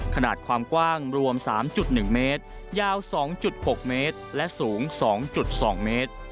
ขนาดความกว้างรวม๓๑เมตรยาว๒๖เมตรและสูง๒๒เมตร